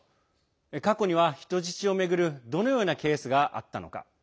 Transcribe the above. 過去には人質を巡るどのようなケースがあったのか。